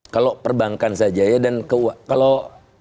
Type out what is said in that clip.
kalau perbankan saja ya dan keuangan